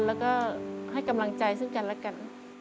แล้วก็ให้กำลังใจซึ่งกันและกัน